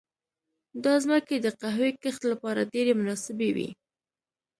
دا ځمکې د قهوې کښت لپاره ډېرې مناسبې وې.